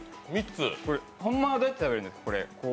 これ、ホンマはどうやって食べるんですか？